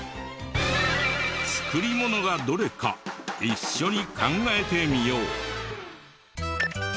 作りものがどれか一緒に考えてみよう！